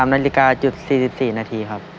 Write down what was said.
นาฬิกาจุด๔๔นาทีครับ